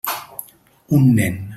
Un nen.